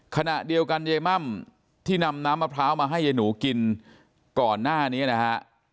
ขณะเดียวกันยายม่ำที่นำน้ำมะพร้าวมาให้ยายหนูกินก่อนหน้านี้นะฮะ